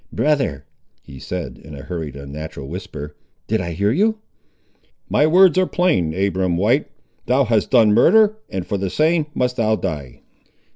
"Brother," he said, in a hurried, unnatural whisper, "did I hear you?" "My words are plain, Abiram White: thou hast done murder, and for the same must thou die!"